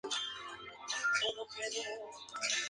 Inverness se encuentra en la falla de Great Glen.